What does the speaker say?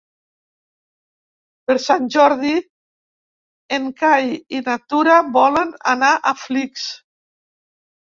Per Sant Jordi en Cai i na Tura volen anar a Flix.